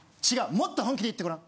もっと本気で言ってごらん。